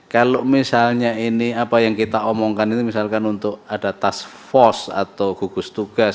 kalau misalnya ini apa yang kita omongkan ini misalkan untuk ada task force atau gugus tugas